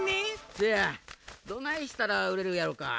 せやどないしたらうれるやろか。